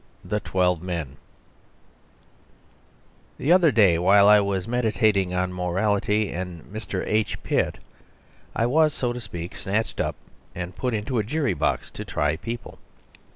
The Twelve Men The other day, while I was meditating on morality and Mr. H. Pitt, I was, so to speak, snatched up and put into a jury box to try people.